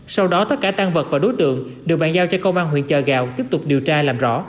sau đó tất cả tan vật và đối tượng được bàn giao cho công an huyện chợ gạo tiếp tục điều tra làm rõ